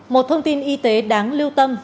một thông tin y tế đáng lưu tâm